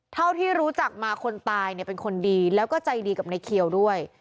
เท่าที่รู้จักมาคนตายเนี่ยเป็นคนดีแล้วก็ใจดีกับในเขียวด้วย